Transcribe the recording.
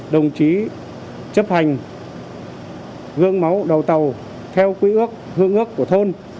đồng chí chấp hành gương máu đầu tàu theo quy ước hương ước của thôn